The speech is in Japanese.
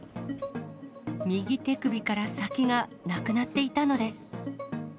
右手首から先がなくなっていたのです。